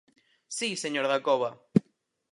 ¡Si, señor Dacova!